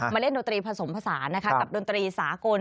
เล่นดนตรีผสมผสานกับดนตรีสากล